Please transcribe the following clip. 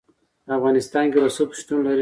په افغانستان کې رسوب شتون لري.